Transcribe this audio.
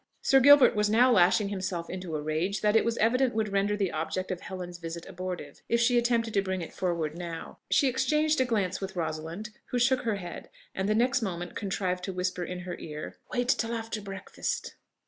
Sir Gilbert was now lashing himself into a rage that it was evident would render the object of Helen's visit abortive if she attempted to bring it forward now. She exchanged a glance with Rosalind, who shook her head, and the next moment contrived to whisper in her ear, "Wait till after breakfast."